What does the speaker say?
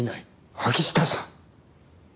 秋下さん。